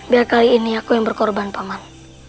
biar kali ini aku yang berkorban paman